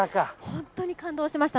本当に感動しました。